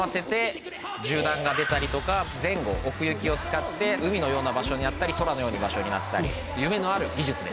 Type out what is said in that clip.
銃弾が出たりとか前後奥行きを使って海のような場所になったり空のような場所になったり。